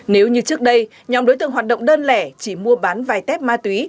nếu như trước đây nhóm đối tượng hoạt động đơn lẻ chỉ mua bán vài tép ma túy